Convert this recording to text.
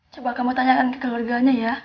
coba kamu tanyakan ke keluarganya ya